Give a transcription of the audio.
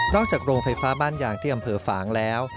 อกจากโรงไฟฟ้าบ้านยางที่อำเภอฝางแล้ว